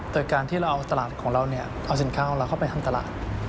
โดยการที่เราเอาตลาดของเราเอาสินค้าของเราเข้าไปทางตลาด